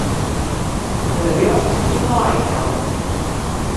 Berjocht dêrwei helje.